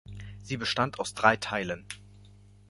Sie bestand aus drei Teilen.